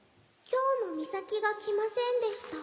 「今日もミサキが来ませんでした」